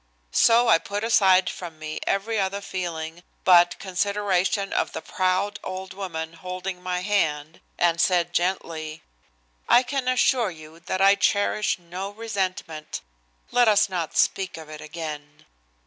So I put aside from me every other feeling but consideration of the proud old woman holding my hand, and said gently: "I can assure you that I cherish no resentment. Let us not speak of it again."